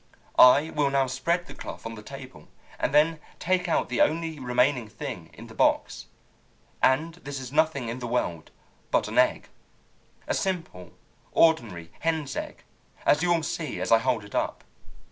I will now spread the cloth on the table, and then take out the only remaining thing in the box, and this is nothing in the world but an egg a simple, ordinary hen's egg, as you all see as I hold it up.